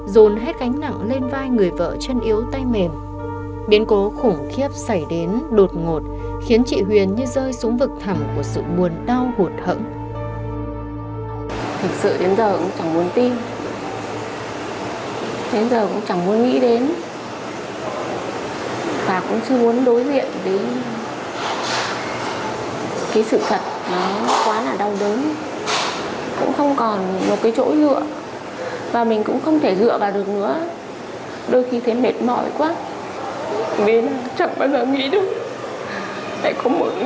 dù nếu anh không có bài công anh sẽ không có bài công